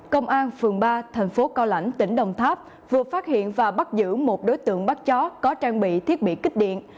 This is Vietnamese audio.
công an phường ba thành phố cao lãnh tỉnh đồng tháp vừa phát hiện và bắt giữ một đối tượng bắt chó có trang bị thiết bị kích điện